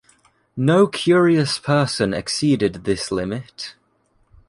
No curious person exceeded this limit.